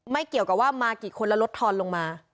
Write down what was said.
เกี่ยวกับว่ามากี่คนแล้วลดทอนลงมา